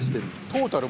トータル